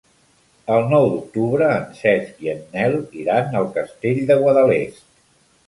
El nou d'octubre en Cesc i en Nel iran al Castell de Guadalest.